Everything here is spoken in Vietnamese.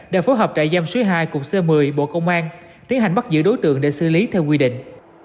đã phối hợp trại giam số hai cục c một mươi bộ công an tiến hành bắt giữ đối tượng để xử lý theo quy định